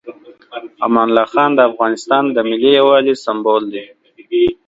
امان الله خان د افغانستان د ملي یووالي سمبول دی.